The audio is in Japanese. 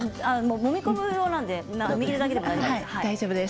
もみ込む用なので右だけで大丈夫です。